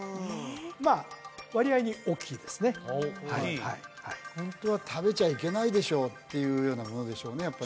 まあ割合に大きいですね大きいホントは食べちゃいけないでしょっていうようなものでしょうね